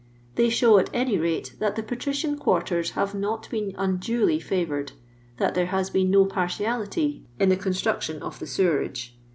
They show, at any rate, that the patrician quarters have not been unduly &voured ; that there has been no partiality in the construction of the sewerase.